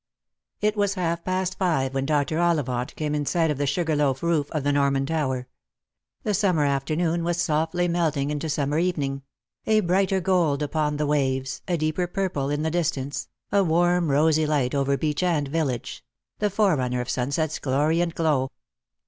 It was half past five when Dr. Ollivant came in sight of the sugarloaf roof of the Norman tower. The summer afternoon was softly melting into summer evening — a brighter gold upon the waves, a deeper purple in the distance — a warm rosy light over beach and village; the forerunner of sunset's glory and glow.